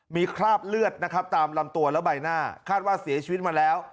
มีคราบเลือดนะครับตามลำตัวและใบหน้าคาดว่าเสียชีวิตมาแล้ว